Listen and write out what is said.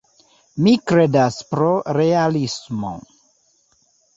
Mi kredas pro realismo.